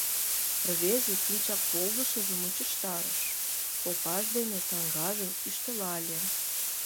Рвезе пинчак полдышыжым мучыштарыш, копаж дене саҥгажым ӱштылале.